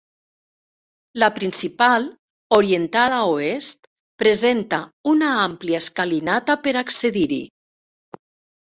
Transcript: La principal, orientada a oest, presenta una àmplia escalinata per accedir-hi.